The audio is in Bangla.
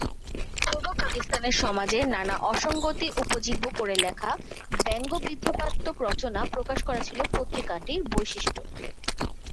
পূর্ব পাকিস্তানের সমাজের নানা অসঙ্গতি উপজীব্য করে লেখা ব্যঙ্গ-বিদ্রূপাত্মক রচনা প্রকাশ করা ছিল পত্রিকাটির বৈশিষ্ট্য।